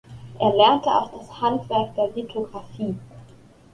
Er lernte auch das Handwerk der Lithografie.